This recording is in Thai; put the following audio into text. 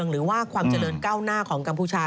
หรือว่าความเจริญก้าวหน้าของกัมพูชา